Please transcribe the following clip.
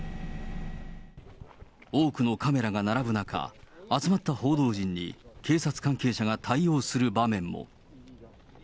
多くのカメラが並ぶ中、集まった報道陣に警察関係者が対応する場面も。